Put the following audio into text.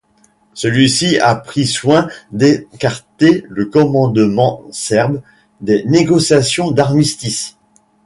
Celui-ci a pris soin d'écarter le commandement serbe des négociations d'armistice.